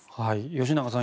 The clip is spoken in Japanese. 吉永さん